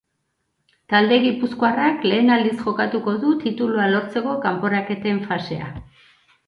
Talde gipuzkoarrak lehen aldiz jokatuko du titulua lortzeko kanporaketen fasea.